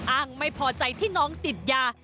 อ้างไม่พอใจที่น้องติดยา